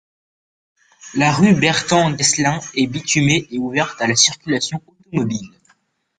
La rue Bertrand-Geslin est bitumée et ouverte à la circulation automobile.